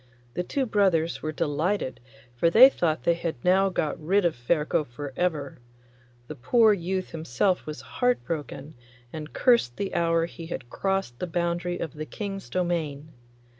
The two brothers were delighted, for they thought they had now got rid of Ferko for ever. The poor youth himself was heart broken, and cursed the hour he had crossed the boundary of the King's domain.